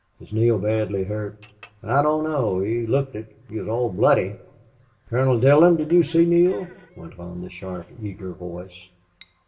"Is Neale badly hurt?" "I don't know. He looked it. He was all bloody." "Colonel Dillon, did you see Neale?" went on the sharp, eager voice.